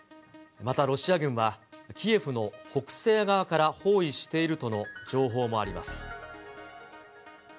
またロシア軍は、キエフの北西側から包囲しているとの情報もあります。